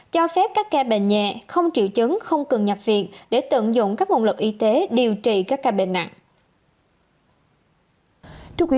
cho phép các ca bệnh nhẹ không triệu chứng không cần nhập viện để tận dụng các nguồn lực y tế điều trị các ca bệnh nặng